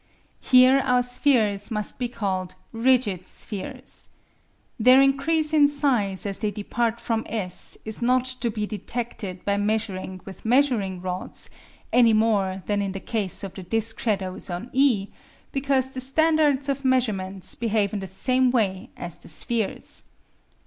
Here our spheres must be called "rigid" spheres. Their increase in size as they depart from S is not to be detected by measuring with measuring rods, any more than in the case of the disc shadows on E, because the standards of measurement behave in the same way as the spheres.